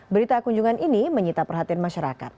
berita kunjungan ini menyita perhatian masyarakat